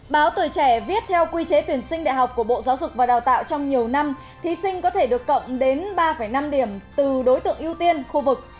báo tuổi trẻ viết theo quy chế tuyển sinh đại học của bộ giáo dục và đào tạo trong nhiều năm thí sinh có thể được cộng đến ba năm điểm từ đối tượng ưu tiên khu vực